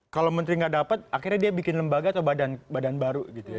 kalau menteri nggak dapat akhirnya dia bikin lembaga atau badan baru gitu ya